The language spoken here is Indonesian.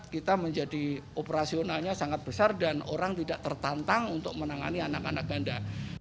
kita menjadi operasionalnya sangat besar dan orang tidak tertantang untuk menangani anak anak ganda